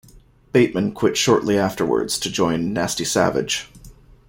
Bateman quit shortly afterwards to join Nasty Savage.